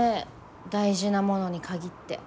大事なものに限って。